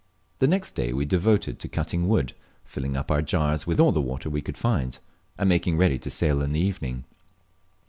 The next day we devoted to cutting wood, filling up our jars with all the water we could find, and making ready to sail in the evening.